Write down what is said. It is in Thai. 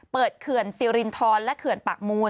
เขื่อนซิรินทรและเขื่อนปากมูล